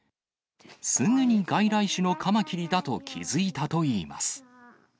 すぐに外来種のカマキリだと気付いたといいます。